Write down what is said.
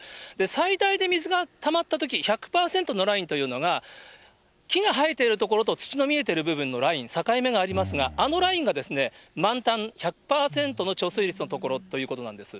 最大で水がたまったとき、１００％のラインというのが木が生えている所と土の見えている所のライン、境目がありますが、あのラインが満タン、１００％の貯水率のところということなんです。